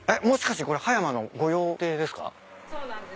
もしかしてこれ葉山の御用邸ですか？